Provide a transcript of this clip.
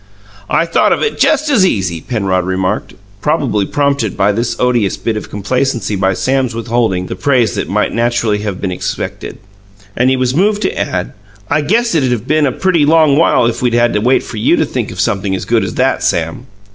"I thought of that just as easy!" Penrod remarked, probably prompted to this odious bit of complacency by Sam's withholding the praise that might naturally have been expected. And he was moved to add, "I guess it'd of been a pretty long while if we'd had to wait for you to think of something as good as that, Sam."